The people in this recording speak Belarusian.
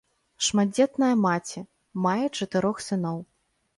Шматдзетная маці, мае чатырох сыноў.